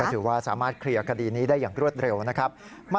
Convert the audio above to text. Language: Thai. ถือว่าสามารถเคลียร์คดีนี้ได้อย่างรวดเร็วนะครับ